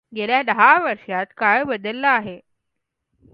गेल्या दहा वर्षात काळ बदलला आहे.